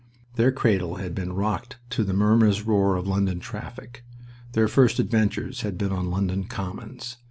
Their cradle had been rocked to the murmurous roar of London traffic. Their first adventures had been on London Commons.